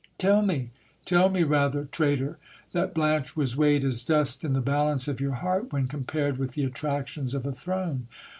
Tell me, tell me rather, traitor, that Blanche was weighed as dust in the balance of your heart, when compared with the attractions of a throne.